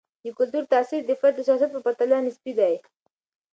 د کلتور تاثیر د فرد د شخصیت په پرتله نسبي دی.